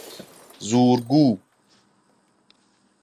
زورگوی